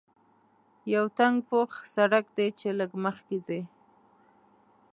یو تنګ پوخ سړک دی چې لږ مخکې ځې.